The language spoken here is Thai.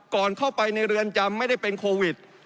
ก่อนเข้าไปในเรือนจำไม่ได้เป็นโควิด